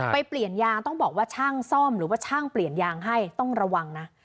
เปลี่ยนยางต้องบอกว่าช่างซ่อมหรือว่าช่างเปลี่ยนยางให้ต้องระวังนะ